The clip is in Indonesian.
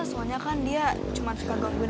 soalnya kan dia cuma suka gangguin